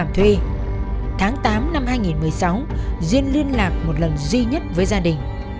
tháng tám năm hai nghìn một mươi sáu duyên liên lạc một lần duy nhất với gia đình